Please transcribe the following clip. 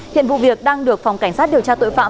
hiện vụ việc đang được phòng cảnh sát điều tra tội phạm